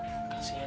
dia masih sakit